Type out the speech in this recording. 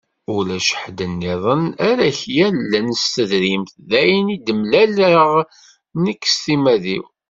Ulac ḥedd-nniḍen ara ak-yallen s tedrimt, d ayen i d-mmlaleɣ nekk s timmad-iw.